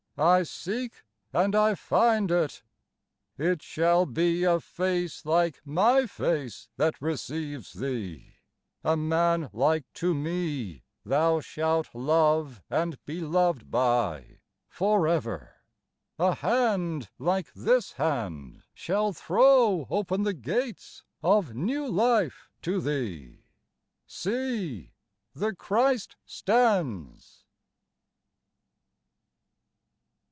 I seek and I find it — it shall be A Face like my face that recieves thee ; A Man like to me Thou shalt love and be loved by, forever ; A Hand like this hand Shall throw open the gates of new life to thee ! See — the Christ stands